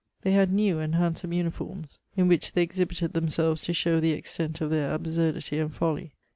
They had new and handsome uni£nrms, in which they exhibited themselres to show the extent of their absurdity ana folly.